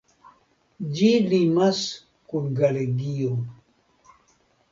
Ĝi limas kun Galegio.